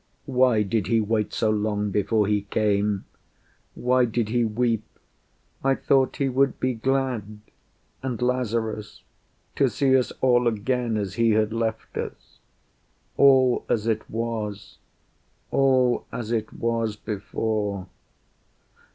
Why did He wait So long before He came? Why did He weep? I thought He would be glad and Lazarus To see us all again as He had left us All as it was, all as it was before."